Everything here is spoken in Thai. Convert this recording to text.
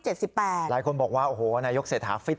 หลายคนบอกว่าโอ้โหนายกเศรษฐาฟิต